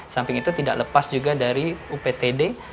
samping itu tidak lepas juga dari uptd